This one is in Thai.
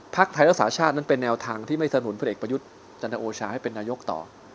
พรรคไทยและสาชาธิ์นั้นเป็นแนวทางที่ไม่สาหนภูมิพระเอกประยุทธ์จรรโตศาสตร์ให้เป็นนายกต่อ